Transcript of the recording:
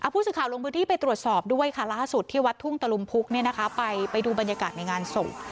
ผู้สื่อข่าวลงพื้นที่ไปตรวจสอบด้วยค่ะล่าสุดที่วัดทุ่งตะลุมพุกไปดูบรรยากาศในงานศพ